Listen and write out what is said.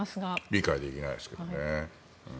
理解できないですけどね。